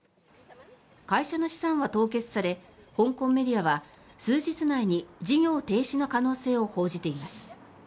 会社の資産は凍結され香港メディアは数日内に事業停止の可能性を報じています。